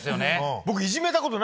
僕。